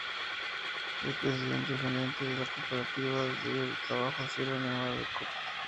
Es presidenta y gerente de la cooperativa de trabajo Sierra Nevada S. Coop.